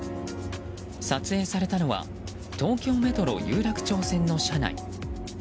撮影されたのは東京メトロ有楽町線の車内。